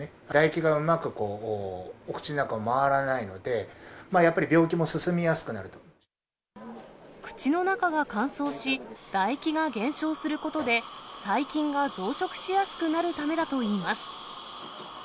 唾液がうまくお口の中を回らないので、やっぱり病気も進みやすく口の中が乾燥し、唾液が減少することで、細菌が増殖しやすくなるためだといいます。